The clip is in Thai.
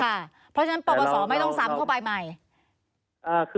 เพราะฉะนั้นปปศไม่ต้องซ้ำเข้าไปใหม่